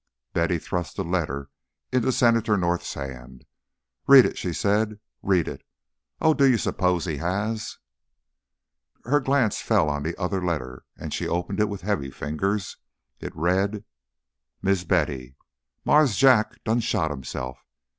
Betty thrust the letter into Senator North's hand. "Read it!" she said. "Read it! Oh, do you suppose he has " Her glance fell on the other letter and she opened it with heavy fingers. It read: Mis Betty, Marse Jack done shot himself.